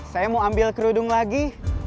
saya mau ambil kerudung lagi